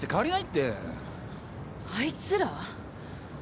あいつら？